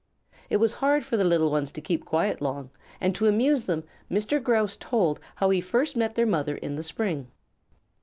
It was hard for the little ones to keep quiet long, and to amuse them Mr. Grouse told how he first met their mother in the spring.